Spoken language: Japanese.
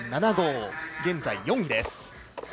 現在、４位です。